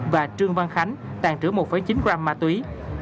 và trương văn khánh tàn trữ một chín gram ma túy